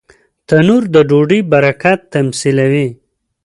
تنور د ډوډۍ برکت تمثیلوي